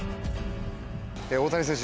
大谷選手